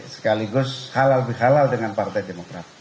sekaligus halal bihalal dengan partai demokrat